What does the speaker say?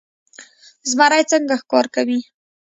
زمری څنګه ښکار کوي؟